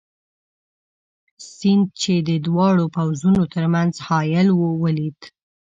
سیند، چې د دواړو پوځونو تر منځ حایل وو، ولید.